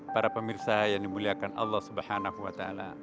para pemirsa yang dimuliakan allah swt